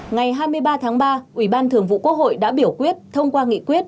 ngày hai mươi ba tháng ba ủy ban thường vụ quốc hội đã biểu quyết thông qua nghị quyết